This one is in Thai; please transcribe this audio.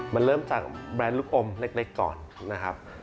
มันเริ่มจากแบรนด์ลูกอมเล็กก่อนนะครับ